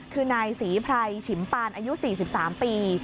คือนายศรีไพรฉิมปานอายุ๔๓ปี